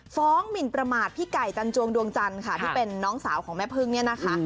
หมินประมาทพี่ไก่จันจวงดวงจันทร์ค่ะที่เป็นน้องสาวของแม่พึ่งเนี่ยนะคะ